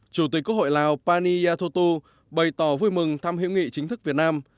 chủ tịch quốc hội lào pani yathotu bày tỏ vui mừng thăm hữu nghị chính thức việt nam